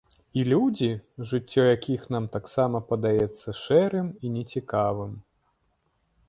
І людзі, жыццё якіх нам таксама падаецца шэрым і нецікавым.